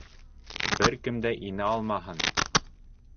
Бер кем дә инә алмаһын!